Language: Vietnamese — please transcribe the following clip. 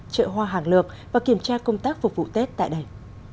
chợ hoa hàng lược và kiểm tra công tác phục vụ tết tại đây